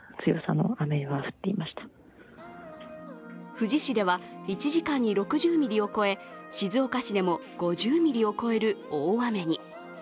富士市では１時間に６０ミリを超え静岡市でも５０ミリを超える大雨に。